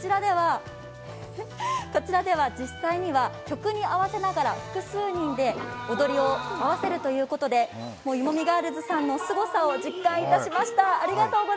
こちらでは実際には曲に合わせながら複数人で踊りを合わせるということで、湯もみガールズさんのすごさを実感いたしました。